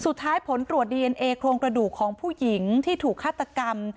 ผลตรวจดีเอ็นเอโครงกระดูกของผู้หญิงที่ถูกฆาตกรรม